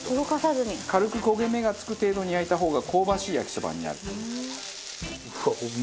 軽く焦げ目が付く程度に焼いた方が香ばしい焼きそばになる。